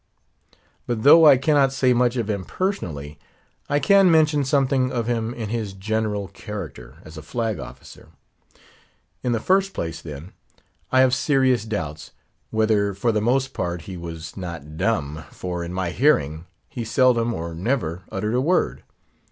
But though I cannot say much of him personally, I can mention something of him in his general character, as a flag officer. In the first place, then, I have serious doubts, whether for the most part, he was not dumb; for in my hearing, he seldom or never uttered a word.